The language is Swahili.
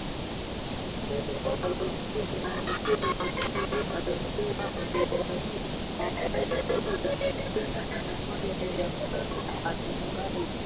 Moja ilikuwa ya mzee makame alikuwa amevalia mavazi ya kijeshi kufanya Jacob ashangae